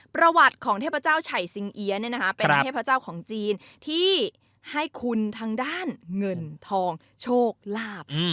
ประวัติของเทพเจ้าไฉสิงเอี๊ยเป็นเทพเจ้าของจีนที่ให้คุณทางด้านเงินทองโชคลาภ